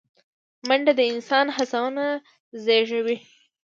منډه د انسان هڅونه زیږوي